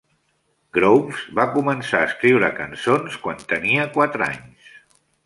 Groves va començar a escriure cançons quan tenia quatre anys.